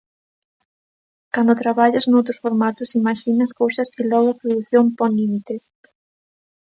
Cando traballas noutros formatos imaxinas cousas e logo a produción pon límites.